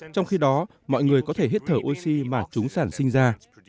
trong khi đó mọi người có thể hít thở oxy mà chúng sản sinh ra